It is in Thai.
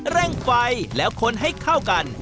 เร่งไฟแล้วคนให้เข้ากัน